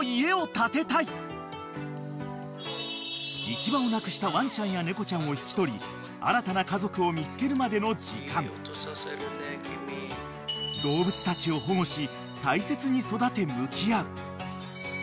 ［行き場をなくしたワンちゃんや猫ちゃんを引き取り新たな家族を見つけるまでの時間動物たちを保護し］